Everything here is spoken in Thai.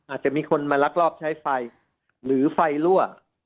อาจจะมีคนมาลักลอบใช้ไฟหรือไฟรั่ว